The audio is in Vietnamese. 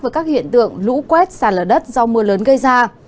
với các hiện tượng lũ quét sạt lở đất do mưa lớn gây ra